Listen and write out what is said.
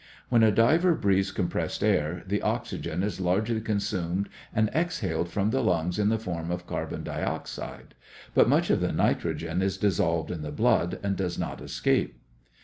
When a diver breathes compressed air, the oxygen is largely consumed and exhaled from the lungs in the form of carbon dioxide, but much of the nitrogen is dissolved in the blood and does not escape.